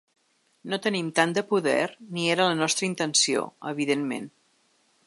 No tenim tant de poder ni era la nostra intenció, evidentment.